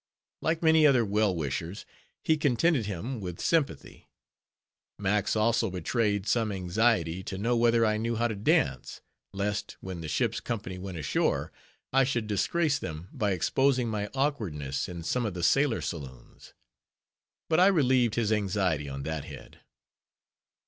Like many other well wishers, he contented him with sympathy. Max also betrayed some anxiety to know whether I knew how to dance; lest, when the ship's company went ashore, I should disgrace them by exposing my awkwardness in some of the sailor saloons. But I relieved his anxiety on that head.